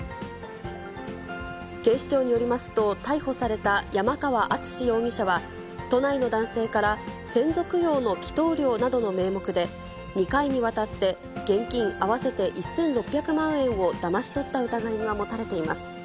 警視庁によりますと、逮捕された山川淳容疑者は、都内の男性から、先祖供養の祈とう料などの名目で、２回にわたって、現金合わせて１６００万円をだまし取った疑いが持たれています。